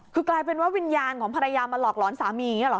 คือกลายเป็นว่าวิญญาณของภรรยามาหลอกหลอนสามีอย่างนี้หรอ